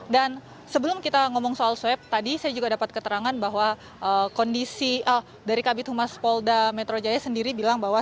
dan sebelum kita ngomong soal swab tadi saya juga dapat keterangan bahwa kondisi dari kabit humas polda metro jaya sendiri bilang bahwa